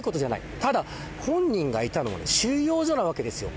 ただ、本人がいたのは収容所なわけですよ。